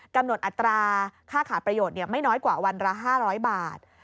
กำหนดอัตราค่าขาดประโยชน์เนี้ยไม่น้อยกว่าวันละห้าร้อยบาท